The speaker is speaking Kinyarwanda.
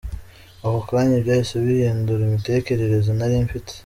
Ako kanya byahise bihindura imitekerereza nari mfite.